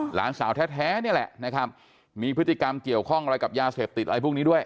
หลานสาวแท้นี่แหละนะครับมีพฤติกรรมเกี่ยวข้องอะไรกับยาเสพติดอะไรพวกนี้ด้วย